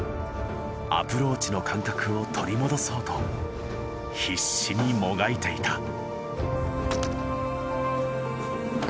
アプローチの感覚を取り戻そうと必死にもがいていた。